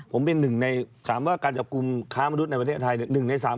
ผมเป็นหนึ่งใน